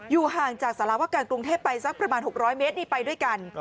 ห่างจากสารวการกรุงเทพไปสักประมาณ๖๐๐เมตรนี่ไปด้วยกัน